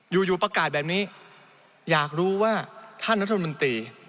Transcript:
อยู่อยู่ประกาศแบบนี้อยากรู้ว่าท่านรัฐมนตรี